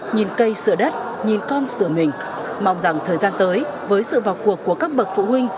nhìn cây sửa đất nhìn con sửa mình mong rằng thời gian tới với sự vào cuộc của các bậc phụ huynh